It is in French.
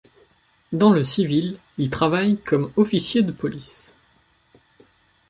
Dans le civil, il travaille comme officier de police.